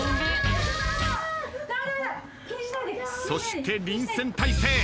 そして臨戦態勢。